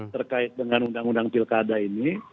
terkait dengan undang undang pilkada ini